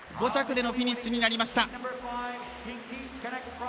５着でのフィニッシュになりました。